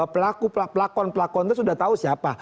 pelakon pelakon itu sudah tau siapa